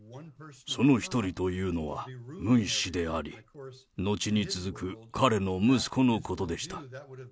その一人というのはムン氏であり、後に続く彼の息子のことでした。